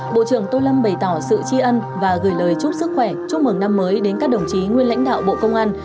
bộ trưởng tô lâm bày tỏ sự tri ân và gửi lời chúc sức khỏe chúc mừng năm mới đến các đồng chí nguyên lãnh đạo bộ công an